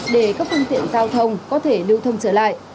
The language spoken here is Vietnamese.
để các phương tiện giao thông có thể lưu thông trở lại